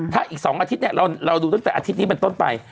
ถ้าอีก๒อาทิตย์เราดูตั้งแต่อาทิตย์นี้เป็นต้นไป